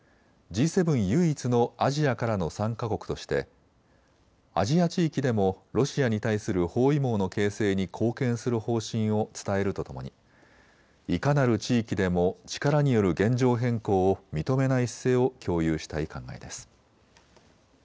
唯一のアジアからの参加国としてアジア地域でもロシアに対する包囲網の形成に貢献する方針を伝えるとともにいかなる地域でも力による現状変更を認めない姿勢を共有したい考えです。